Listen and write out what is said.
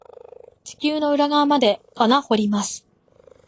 地球の裏側まで穴掘ります。